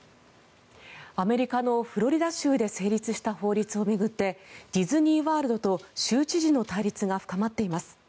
アメリカのフロリダ州で成立した法律を巡ってディズニー・ワールドと州知事の対立が深まっています。